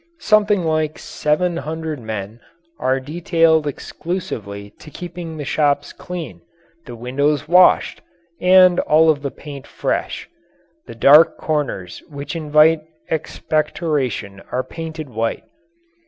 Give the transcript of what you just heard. Something like seven hundred men are detailed exclusively to keeping the shops clean, the windows washed, and all of the paint fresh. The dark corners which invite expectoration are painted white.